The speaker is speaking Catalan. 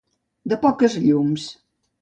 De poques llums.